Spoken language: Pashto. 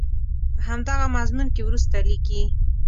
په همدغه مضمون کې وروسته لیکي.